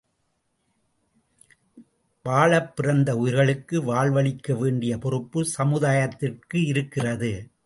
வாழப்பிறந்த உயிர்களுக்கு வாழ்வளிக்க வேண்டிய பொறுப்பு, சமுதாயத்திற்கு இருக்கிறது.